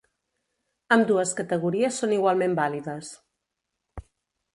Ambdues categories són igualment vàlides.